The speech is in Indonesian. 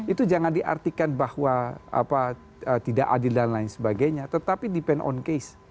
itu jangan diartikan bahwa tidak adil dan lain sebagainya tetapi bergantung pada kes